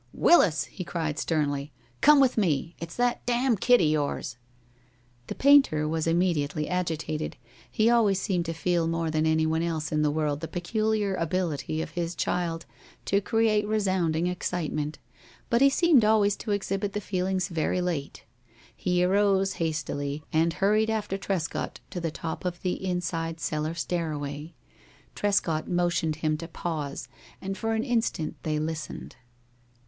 "Willis!" he cried, sternly, "come with me. It's that damn kid of yours!" The painter was immediately agitated. He always seemed to feel more than any one else in the world the peculiar ability of his child to create resounding excitement, but he seemed always to exhibit his feelings very late. He arose hastily, and hurried after Trescott to the top of the inside cellar stairway. Trescott motioned him to pause, and for an instant they listened.